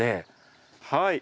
はい。